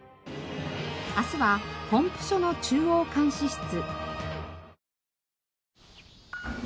明日はポンプ所の中央監視室。